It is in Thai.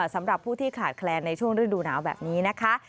สำหรับผู้ที่ขาดแคลนในช่วงฤดูหนาวแบบนี้นะคะ